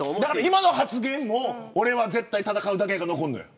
今の発言も俺は絶対戦うだけが残るのよ。